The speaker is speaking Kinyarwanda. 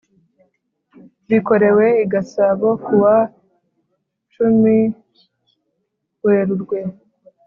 Bikorewe i Gasabo kuwa cumin, werurwe.